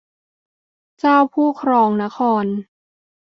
เจ้าผู้ครองนคร